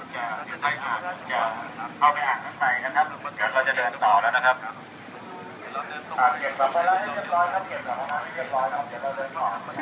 ขอให้สนุกกันตามขอบคุณครับขอบคุณครับ